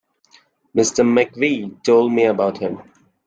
Mr McVeigh told me about him.